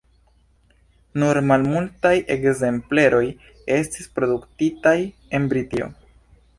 Nur malmultaj ekzempleroj estis produktitaj en Britio.